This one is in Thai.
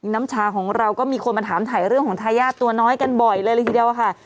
น้ำชาของเราก็มีคนมาถามถ่ายเรื่องของทายาทตัวน้อยกันบ่อยเลยละทีเดียวค่ะ